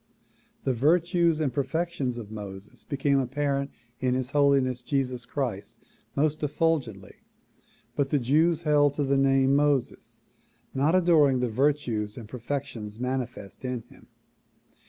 The virtues and perfections of .Moses became apparent in His Holiness Jesus Christ most efful gently but the Jews held to the name Moses, not adoring the vir tues and perfections manifest in him.